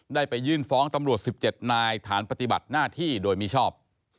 ได้ไปยื่นฟ้องตำรวจ๑๗นายฐานปฏิบัติหน้าที่โดยมิชอบ